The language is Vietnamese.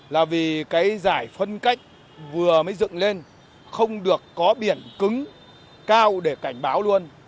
là vì cái giải phân cách vừa mới dựng lên không được có biển cứng cao để cảnh báo luôn